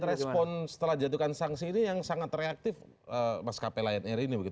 tapi kalau melihat respon setelah jatuhkan sanksi ini yang sangat reaktif mas kp lion air ini